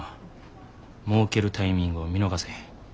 もうけるタイミングを見逃せへん。